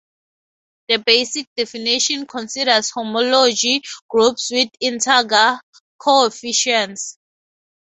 The basic definition considers homology groups with integer coefficients.